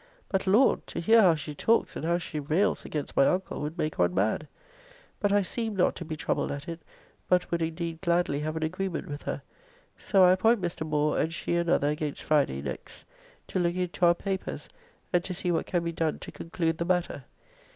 But, Lord! to hear how she talks and how she rails against my uncle would make one mad. But I seemed not to be troubled at it, but would indeed gladly have an agreement with her. So I appoint Mr. Moore and she another against Friday next to look into our papers and to see what can be done to conclude the matter.